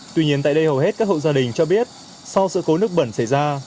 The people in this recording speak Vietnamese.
tuy nhiên tại đây hầu hết các hộ gia đình cho biết sau sự cố nước bẩn xảy ra